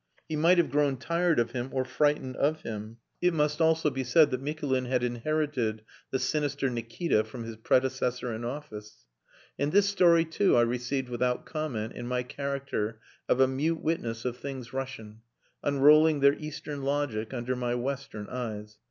He might have grown tired of him, or frightened of him. It must also be said that Mikulin had inherited the sinister Nikita from his predecessor in office. And this story, too, I received without comment in my character of a mute witness of things Russian, unrolling their Eastern logic under my Western eyes.